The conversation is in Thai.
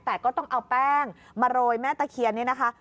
แต่ก็ต้องเอาแป้งมาโรยแม่ตะเคียนเนี่ยนะคะ